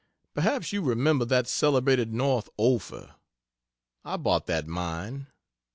Perhaps you remember that celebrated "North Ophir?" I bought that mine.